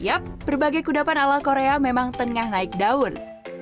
yap berbagai kudapan ala korea memang tengah naik daun